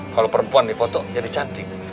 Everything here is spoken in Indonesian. kalau perempuan di foto jadi cantik